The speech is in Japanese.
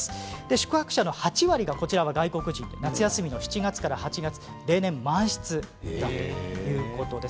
宿泊者の８割が外国人で夏休みの７月から８月で例年満室だということです。